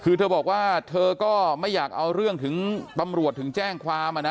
คือเธอบอกว่าเธอก็ไม่อยากเอาเรื่องถึงตำรวจถึงแจ้งความ